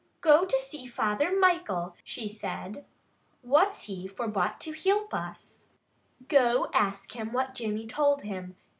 "Go to see Father Michael," she said. "What's he for but to hilp us. Go ask him what Jimmy told him.